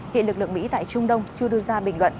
hiện lực lượng mỹ tại trung đông chưa đưa ra bình luận